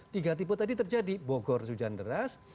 tiga tipe tadi terjadi bogor hujan deras